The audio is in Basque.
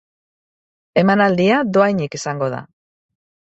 Emanaldia dohainik izango da.